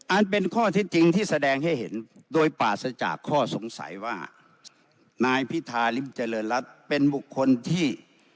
อันเป็นข้อเท็จจริงที่แสดงให้เห็นโดยปราศจากข้อสงสัยว่านายพิธาริมเจริญรัฐเป็นบุคคลที่